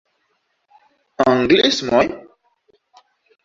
Anglismoj?